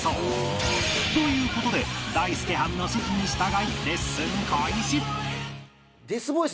という事でダイスケはんの指示に従いレッスン開始